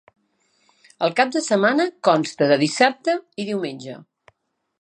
El cap de setmana consta de dissabte i diumenge.